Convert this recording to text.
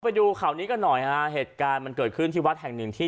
ไปดูข่าวนี้กันหน่อยฮะเหตุการณ์มันเกิดขึ้นที่วัดแห่งหนึ่งที่